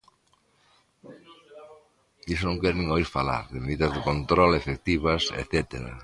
Diso non quere nin oír falar, de medidas de control efectivas etcétera.